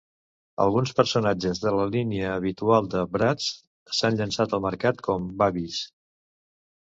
Alguns personatges de la línia habitual de Bratz s"han llançat al mercat com Babyz.